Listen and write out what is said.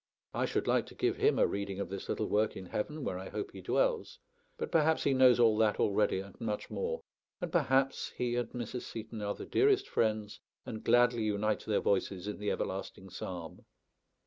I should like to give him a reading of this little work in heaven, where I hope he dwells; but perhaps he knows all that already, and much more; and perhaps he and Mrs. Seton are the dearest friends, and gladly unite their voices in the everlasting psalm.